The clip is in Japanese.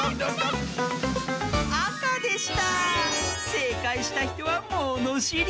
せいかいしたひとはものしり！